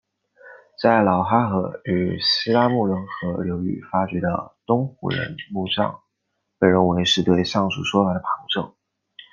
在老哈河与西拉木伦河流域发掘的东胡人墓葬被认为是对上述说法的旁证。